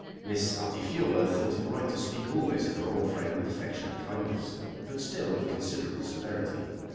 Miss Altifiorla thought it right to speak always of her old friend with affectionate kindness; but still with considerable severity.